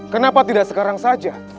kenapa tidak sekarang saja